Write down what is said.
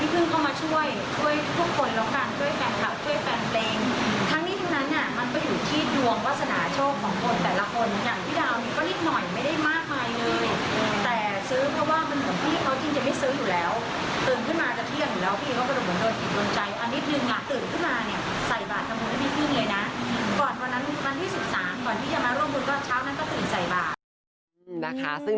เหมือนพี่พึ่งเข้ามาช่วยช่วยทุกคนแล้วกันช่วยแฟนคลับช่วยแฟนเพลง